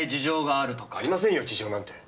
ありませんよ事情なんて。